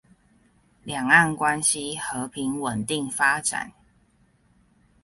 兩岸關係和平穩定發展